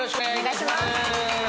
お願いします。